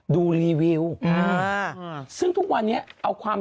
ดูรีวิวที่นะ